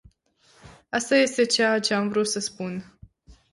Asta este ceea ce am vrut să spun.